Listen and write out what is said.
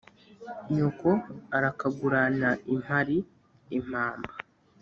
nyoko arakagurana impari: impamba